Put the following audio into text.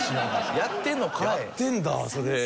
やってんだそれ。